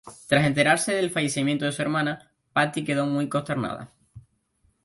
Tras enterarse del fallecimiento de su hermana, Patty quedó muy consternada.